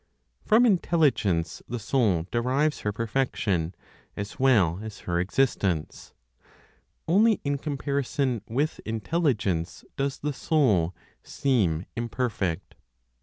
From Intelligence the Soul derives her perfection, as well as her existence; only in comparison with Intelligence does the Soul seem imperfect.